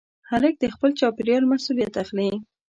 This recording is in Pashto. هلک د خپل چاپېریال مسؤلیت اخلي.